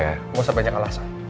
gak usah banyak alasan